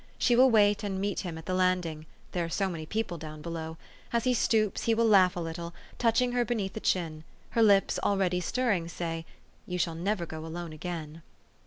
She will wait and meet him at the landing there are so many people down below. As he stoops, he will laugh a little, touching her beneath the chin. Her lips, already stirring, say, " You shall never go alone again."